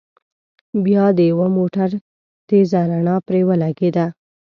بيا د يوه موټر تېزه رڼا پرې ولګېده.